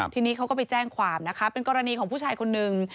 ทีนี้เขาก็ไปแจ้งความนะคะเป็นกรณีของผู้ชายคนนึง